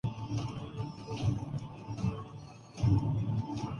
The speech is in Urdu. انگیکا